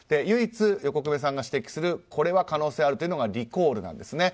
唯一、横粂さんが指摘する、これは可能性あるというのがリコールなんです。